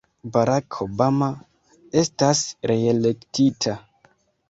Barack Obama estas reelektita.